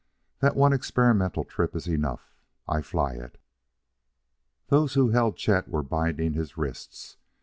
That one experimental trip is enough I fly it!" Those who held Chet were binding his wrists.